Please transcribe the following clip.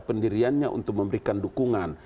pendiriannya untuk memberikan dukungan